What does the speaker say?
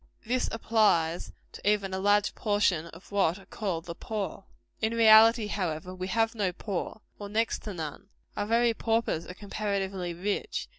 This applies to even a large portion of what are called the poor. In reality, however, we have no poor or next to none. Our very paupers are comparatively rich.